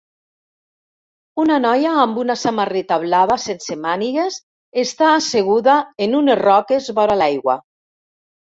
Una noia amb una samarreta blava sense mànigues està asseguda en unes roques vora l'aigua